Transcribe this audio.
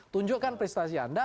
tunjukkan prestasi anda